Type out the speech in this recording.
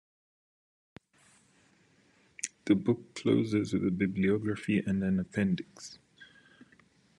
The book closes with a bibliography and an appendix.